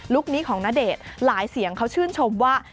คนี้ของณเดชน์หลายเสียงเขาชื่นชมว่า